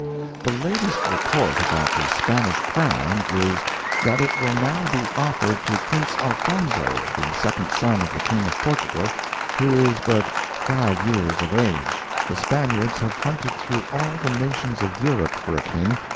The latest report about the Spanish crown is, that it will now be offered to Prince Alfonso, the second son of the King of Portugal, who is but five years of age. The Spaniards have hunted through all the nations of Europe for a King.